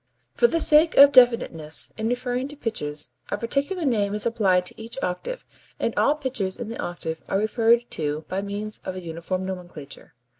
For the sake of definiteness in referring to pitches, a particular name is applied to each octave, and all pitches in the octave are referred to by means of a uniform nomenclature.